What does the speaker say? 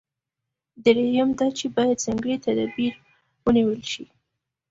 درېیم دا چې باید ځانګړي تدابیر ونیول شي.